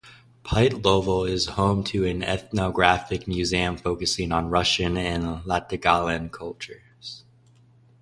Pytalovo is home to an ethnographic museum focusing on Russian and Latgalian cultures.